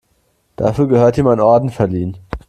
Dafür gehört ihm ein Orden verliehen.